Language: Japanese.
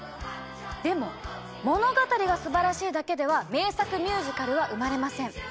でも物語が素晴らしいだけでは名作ミュージカルは生まれません。